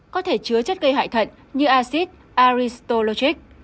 có thể chứa chất gây hại thận như acid aristologic